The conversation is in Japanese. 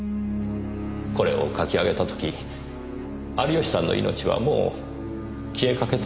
これを描き上げたとき有吉さんの命はもう消えかけていたのでしょう。